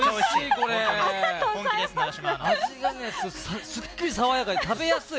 味がすっきり爽やかで食べやすい。